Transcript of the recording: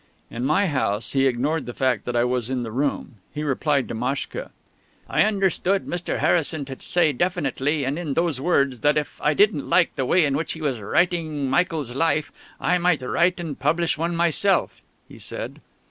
In my house, he ignored the fact that I was in the room. He replied to Maschka. "I understood Mr. Harrison to say definitely, and in those words, that if I didn't like the way in which he was writing Michael's 'Life,' I might write and publish one myself," he said.